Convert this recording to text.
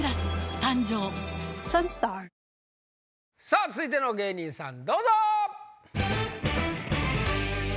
さぁ続いての芸人さんどうぞ！